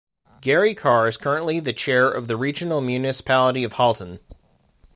Gary Carr is currently the Chair of the Regional Municipality of Halton.